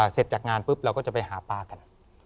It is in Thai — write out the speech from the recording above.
เสร็จจากงานปุ๊บเราก็จะไปหาปลากัน